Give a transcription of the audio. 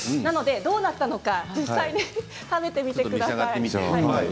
どうなったのか実際に食べてみてください。